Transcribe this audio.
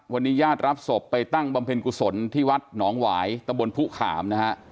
วันนี้ญาติรับศพไปตั้งบำเพ็ญกุศลที่วัดหนองหวายตะบนผู้ขามนะฮะ